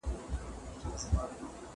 زه بايد کالي وچوم